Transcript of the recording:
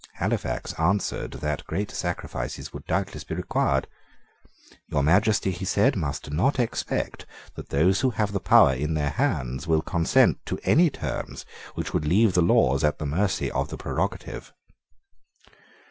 Halifax answered that great sacrifices would doubtless be required. "Your Majesty," he said, "must not expect that those who have the power in their hands will consent to any terms which would leave the laws at the mercy of the prerogative."